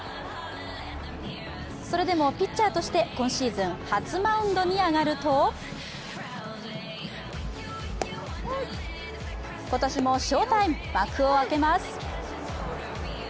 それでもピッチャーとして今シーズン初マウンドに上がると今年も翔タイムが幕を開けます。